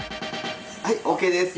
はいＯＫです。